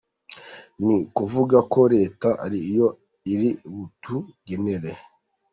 Ni ukuvuga ko Leta ari yo iri butugenere.